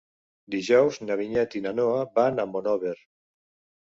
Dijous na Vinyet i na Noa van a Monòver.